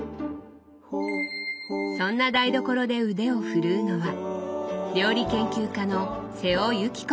そんな台所で腕を振るうのは料理研究家の瀬尾幸子さん。